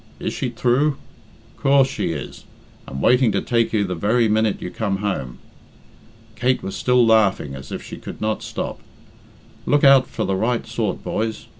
'Is she thrue?' Coorse she is, and waiting to take you the very minute you come home." Kate was still laughing as if she could not stop. "Look out for the right sort, boys.